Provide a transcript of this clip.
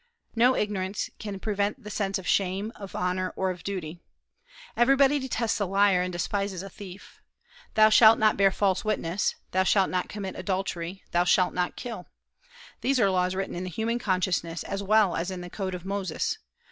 No ignorance can prevent the sense of shame, of honor, or of duty. Everybody detests a liar and despises a thief. Thou shalt not bear false witness; thou shalt not commit adultery; thou shalt not kill, these are laws written in human consciousness as well as in the code of Moses.